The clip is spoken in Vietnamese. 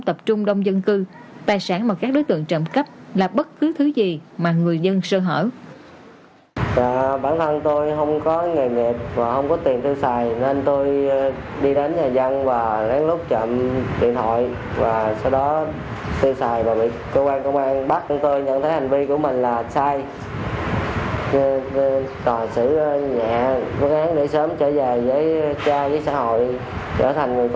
tập trung đông dân cư tài sản mà các đối tượng trộm cắp là bất cứ thứ gì mà người dân sơ hở